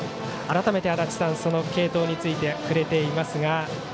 改めて、足達さん継投について触れていますが。